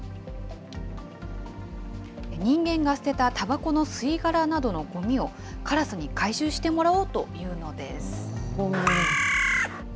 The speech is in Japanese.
人間が捨てたたばこの吸い殻などのごみを、カラスに回収してもらおうというのです。